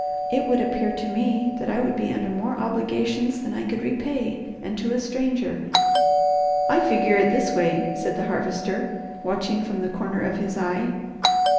"It would appear to me that I would be under more obligations than I could repay, and to a stranger." "I figure it this way," said the Harvester, watching from the corner of his eye.